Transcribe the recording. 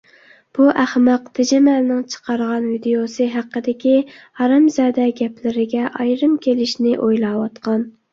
بۇ ئەخمەق تېجىمەلنىڭ چىقارغان ۋىدىيوسى ھەققىدىكى ھارامزەدە گەپلىرىگە ئايرىم كېلىشنى ئويلاۋاتقان.